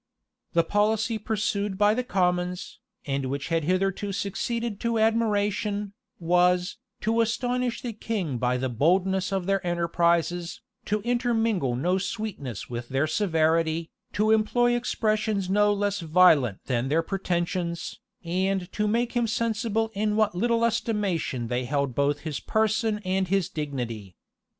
The policy pursued by the commons, and which had hitherto succeeded to admiration, was, to astonish the king by the boldness of their enterprises, to intermingle no sweetness with their severity, to employ expressions no less violent than their pretensions, and to make him sensible in what little estimation they held both his person and his dignity.